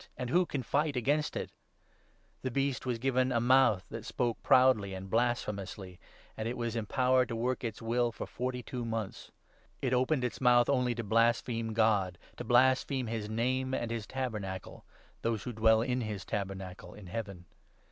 and who can fight with it ?' The Beast was given ' a mouth 5 that spoke proudly ' and blasphemously, and it was empowered to work its will for forty two months. It opened its mouth 6 only to blaspheme God, to blaspheme his Name and his Tabernacle — those who dwell in his Tabernacle in Heaven.